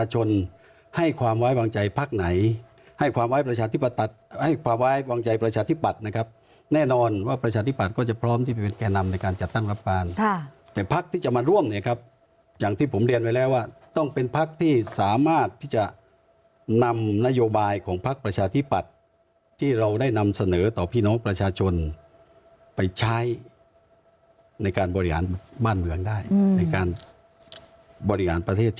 ให้ความไว้ประชาธิปัติให้ความไว้วางใจประชาธิปัตินะครับแน่นอนว่าประชาธิปัติก็จะพร้อมที่เป็นแก่นำในการจัดตั้งรับบานแต่พักที่จะมาล่วงเนี่ยครับอย่างที่ผมเรียนไว้แล้วว่าต้องเป็นพักที่สามารถที่จะนำนโยบายของพักประชาธิปัติที่เราได้นำเสนอต่อพี่น้องประชาชนไปใช้ในการบริหารบ้านเมื